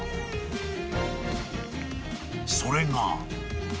［それが］